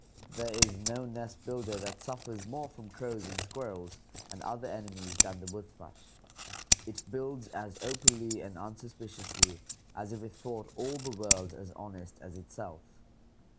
There is no nest builder that suffers more from crows and squirrels and other enemies than the wood thrush. It builds as openly and unsuspiciously as if it thought all the world as honest as itself.